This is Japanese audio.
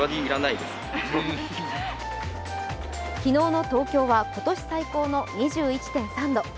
昨日の東京は今年最高の２１．３度。